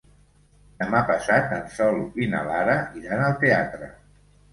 Demà passat en Sol i na Lara iran al teatre.